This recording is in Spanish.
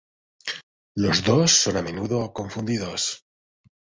Los dos son a menudo confundidos.